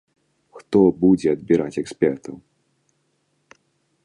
Хто будзе адбіраць экспертаў?